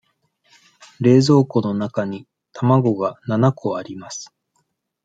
冷蔵庫の中に卵が七個あります。